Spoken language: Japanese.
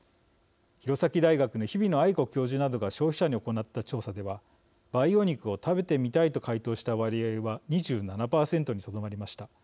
弘前大学の日比野愛子教授などが消費者に行った調査では培養肉を食べてみたいと回答した割合は２７％にとどまりました。